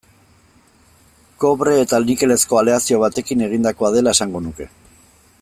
Kobre eta nikelezko aleazio batekin egindakoa dela esango nuke.